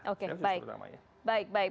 oke baik baik